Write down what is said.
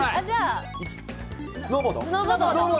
じゃあ。